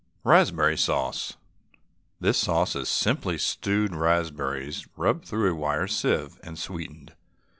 RASPBERRY SAUCE. This sauce is simply stewed raspberries rubbed through a wire sieve and sweetened.